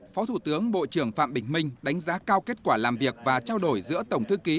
phó thủ tướng bộ trưởng phạm bình minh đánh giá cao kết quả làm việc và trao đổi giữa tổng thư ký